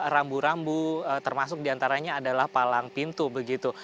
rambu rambu termasuk diantaranya adalah palang pintu begitu